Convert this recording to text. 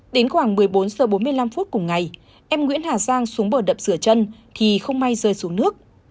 đến khoảng một mươi bốn h bốn mươi năm phút cùng ngày em nguyễn hà giang xuống bờ đập sửa chân thì không may rơi xuống nước